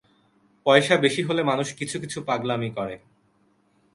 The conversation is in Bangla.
পয়সা বেশি হলে মানুষ কিছু-কিছু পাগলামি করে।